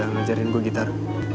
udah ngajarin gue gitar